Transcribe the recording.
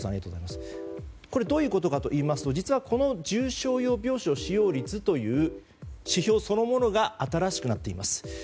どういうことかといいますと実は、この重症病床使用率という指標そのものが新しくなっています。